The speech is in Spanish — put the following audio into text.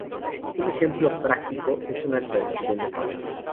Un ejemplo práctico es una transmisión de fax.